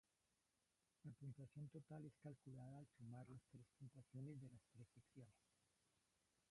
La puntuación total es calculada al sumar las puntuaciones de las tres secciones.